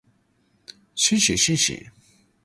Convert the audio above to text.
深思熟慮諗清楚